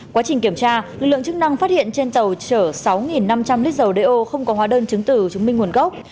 quá trình kiểm tra lực lượng chức năng phát hiện trên tàu chở sáu năm trăm linh lít dầu đeo không có hóa đơn chứng tử chứng minh nguồn gốc